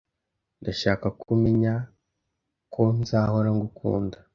Ndashaka ko umenya I ko nzahora ngukunda.